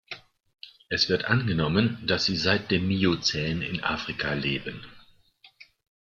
Es wird angenommen, dass sie seit dem Miozän in Afrika leben.